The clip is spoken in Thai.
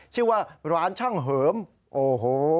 ชื่อว่าร้านช่างเหิมโอ้โห